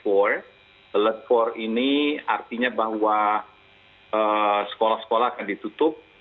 alert for ini artinya bahwa sekolah sekolah akan ditutup